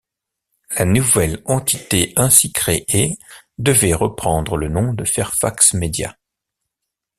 La nouvelle entité ainsi créée devrait reprendre le nom de Fairfax Media.